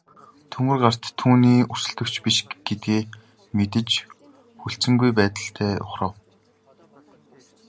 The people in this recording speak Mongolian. Төмөр гарт түүний өрсөлдөгч биш гэдгээ мэдэж хүлцэнгүй байдалтай ухрав.